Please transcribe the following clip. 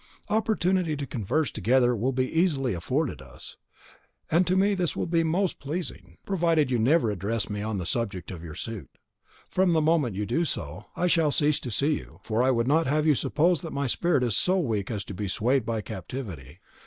Opportunity to converse together will be easily afforded us, and to me this will be most pleasing, provided you never address me on the subject of your suit; from the moment you do so, I shall cease to see you; for I would not have you suppose that my spirit is so weak as to be swayed by captivity.